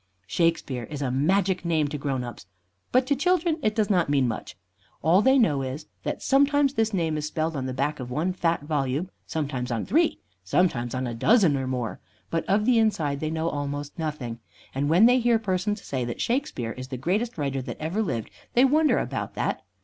Shakespeare is a magic name to grown ups, but to children it does not mean much. All they know is, that sometimes this name is spelled on the back of one fat volume, sometimes on three, sometimes on a dozen or more, but of the inside they know almost nothing, and when they hear persons say that Shakespeare is the greatest writer that ever lived, they wonder about it.